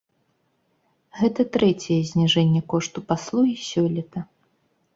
Гэта трэцяе зніжэнне кошту паслугі сёлета.